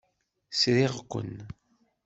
Sriɣ-ken.